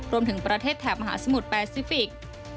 รวมถึงประเทศแถบมหาสมุทรแปซิฟิกส์